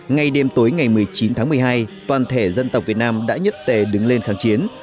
ngay đêm tối ngày một mươi chín tháng một mươi hai toàn thể dân tộc việt nam đã nhất tề đứng lên kháng chiến